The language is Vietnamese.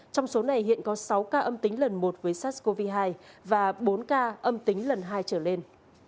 trong số này hiện có sáu ca âm tính lần một với sars cov hai và bốn ca âm tính lần hai trở lên